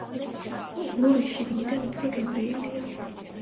ღორი შიგნიდან უფრო გემრიელია